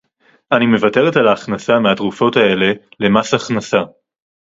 אני מוותרת על ההכנסה מהתרופות האלה למס הכנסה